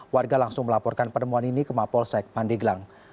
warga langsung melaporkan penemuan ini ke mapolsek pandeglang